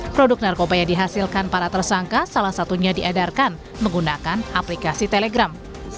produk narkoba yang dihasilkan para tersangka salah satunya diedarkan menggunakan aplikasi telegram